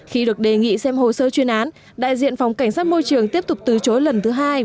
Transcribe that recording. khi được đề nghị xem hồ sơ chuyên án đại diện phòng cảnh sát môi trường tiếp tục từ chối lần thứ hai